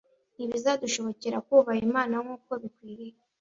ntibizadushobokera kubaha imana nk'uko bikwiriye